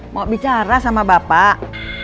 mau bicara sama bapak